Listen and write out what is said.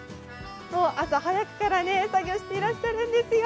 朝早くから作業していらっしゃるんですよ。